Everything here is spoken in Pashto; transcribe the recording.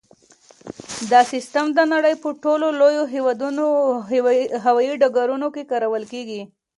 دا سیسټم د نړۍ په ټولو لویو هوایي ډګرونو کې کارول کیږي.